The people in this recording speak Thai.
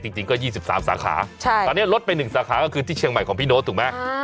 จริงก็๒๓สาขาตอนนี้ลดไป๑สาขาก็คือที่เชียงใหม่ของพี่โน๊ตถูกไหม